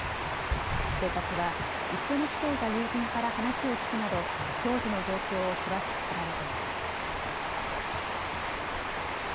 警察は一緒に来ていた友人から話を聞くなど当時の状況を詳しく調べています。